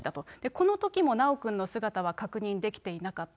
このときも修くんの姿は確認できていなかった。